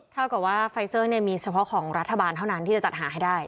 เท่ากับว่าไฟเซอร์มีเฉพาะของรัฐบาลเท่านั้นที่จะจัดหาให้ได้